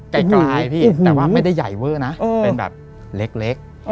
ไกลพี่แต่ว่าไม่ได้ใหญ่เวอร์นะเป็นแบบเล็ก